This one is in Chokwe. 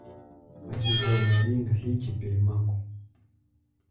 Achize unalinga hi chipemako.